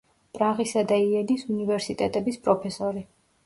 პრაღისა და იენის უნივერსიტეტების პროფესორი.